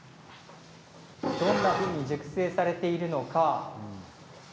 どんなふうに熟成されているのか。